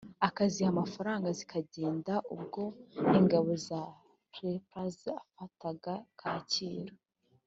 akaziha amafaranga zikagenda ubwo ingabo za rpa zafataga kacyiru